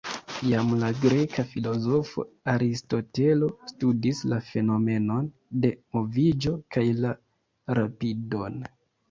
Jam la greka filozofo Aristotelo studis la fenomenon de moviĝo kaj la rapidon.